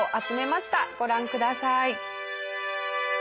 ご覧ください。